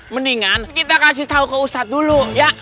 mendingan kita kasih tahu ke ustadz dulu ya